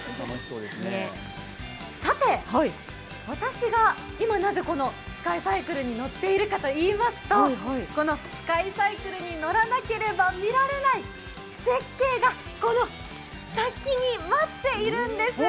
さて私が今なぜこのスカイサイクルに乗っているかといいますとこのスカイサイクルに乗らなければ見られない絶景がこの先に待っているんです。